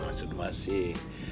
ya maksudnya masih